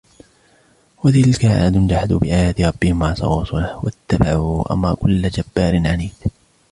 وَتِلْكَ عَادٌ جَحَدُوا بِآيَاتِ رَبِّهِمْ وَعَصَوْا رُسُلَهُ وَاتَّبَعُوا أَمْرَ كُلِّ جَبَّارٍ عَنِيدٍ